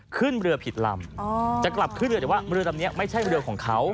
ขึ้นเรือผิดลำจะกลับขึ้นเรือแต่ว่าเรือลำนี้ไม่ใช่เรือของเขา